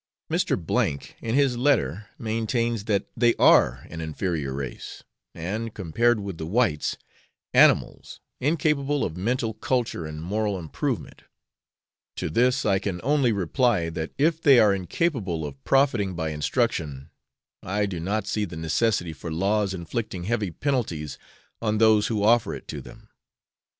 Mr. , in his letter, maintains that they are an inferior race, and, compared with the whites, 'animals, incapable of mental culture and moral improvement:' to this I can only reply, that if they are incapable of profiting by instruction, I do not see the necessity for laws inflicting heavy penalties on those who offer it to them.